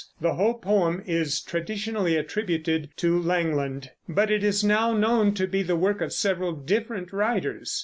The whole poem is traditionally attributed to Langland; but it is now known to be the work of several different writers.